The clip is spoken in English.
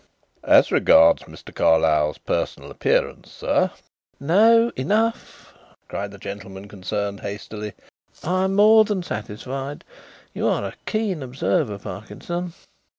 "As regards Mr. Carlyle's personal appearance, sir " "No, enough!" cried the gentleman concerned hastily. "I am more than satisfied. You are a keen observer, Parkinson."